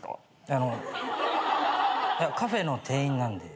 あのカフェの店員なんで。